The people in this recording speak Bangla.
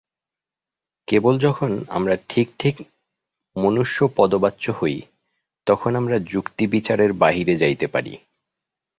কেবল যখন আমরা ঠিক ঠিক মনুষ্যপদবাচ্য হই, তখন আমরা যুক্তি-বিচারের বাহিরে যাইতে পারি।